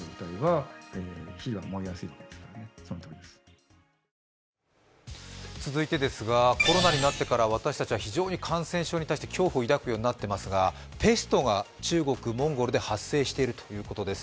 専門家は続いてコロナになってから私たちは非常に感染症に恐怖を抱くになっていますがペストが中国、モンゴルで発生しているということです。